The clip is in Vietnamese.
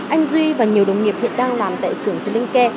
anh duy và nhiều đồng nghiệp hiện đang làm tại sưởng sling care